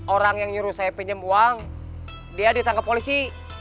orang yang nyuruh saya pinjam uang dia ditangkap polisi